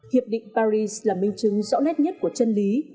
hiệp định paris là minh chứng rõ nét nhất của chân lý